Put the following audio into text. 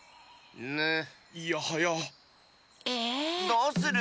どうする？